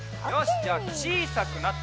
じゃあちいさくなって。